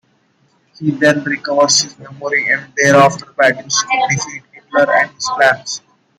He then recovers his memory and thereafter battles to defeat Hitler and his plans.